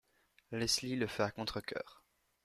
Leslie le fait à contrecœur.